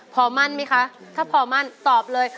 พอมั่นไหมคะถ้าพอมั่นตอบเลย